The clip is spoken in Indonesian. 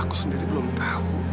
aku sendiri belum tahu